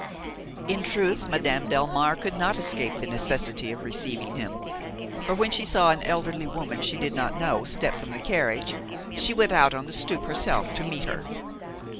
In truth Madame Delmare could not escape the necessity of receiving him, for when she saw an elderly woman she did not know step from the carriage, she went out on the stoop herself to meet her.